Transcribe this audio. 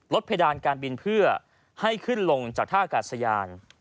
เพดานการบินเพื่อให้ขึ้นลงจากท่าอากาศยาน